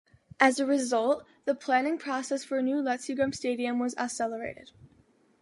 As a result, the planning process for the new Letzigrund stadium was accelerated.